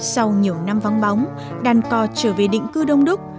sau nhiều năm vắng bóng đàn cò trở về định cư đông đúc